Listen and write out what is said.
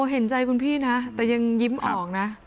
เห็นใจคุณพี่นะแต่ยังยิ้มออกนะ